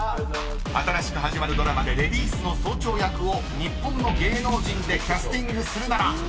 ［新しく始まるドラマでレディースの総長役を日本の芸能人でキャスティングするなら］